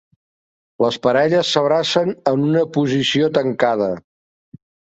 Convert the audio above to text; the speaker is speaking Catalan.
Les parelles s'abracen en una posició tancada.